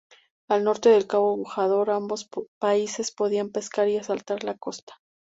Al norte del cabo Bojador ambos países podían pescar y asaltar la costa.